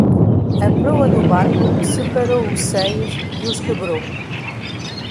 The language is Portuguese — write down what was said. A proa do barco separou os seios e os quebrou.